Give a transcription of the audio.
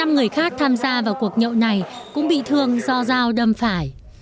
năm người khác tham gia vào cuộc nhậu này cũng bị thương do dao đâm phải